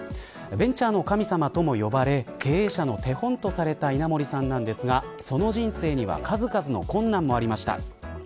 ベンチャーの神様とも呼ばれ経営者の手本とされた稲盛さんなんですがその人生には数々の困難もありました。